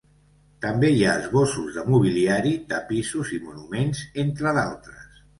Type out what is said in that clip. També hi ha esbossos de mobiliari, tapissos i monuments, entre d'altres.